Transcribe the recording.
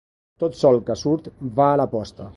Tot sol que surt va a la posta.